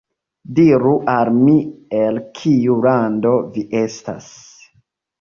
Diru al mi, el kiu lando vi estas.